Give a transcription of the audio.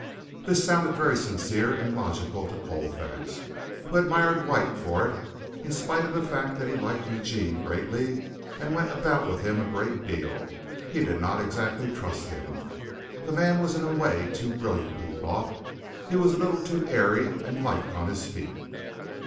This sounded very sincere and logical to Colfax, who admired White for it, for in spite of the fact that he liked Eugene greatly and went about with him a great deal, he did not exactly trust him. The man was in a way too brilliant, he thought. He was a little too airy and light on his feet.